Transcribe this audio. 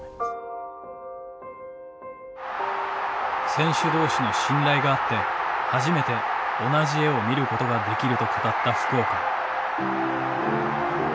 選手同士の信頼があって初めて同じ絵を見ることができると語った福岡。